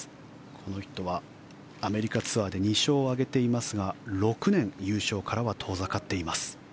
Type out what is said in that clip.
この人はアメリカツアーで２勝を挙げていますが６年優勝から遠ざかっています。